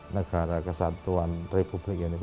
negara kesatuan republik indonesia